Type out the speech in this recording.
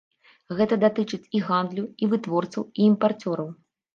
Гэта датычыць і гандлю, і вытворцаў, і імпарцёраў.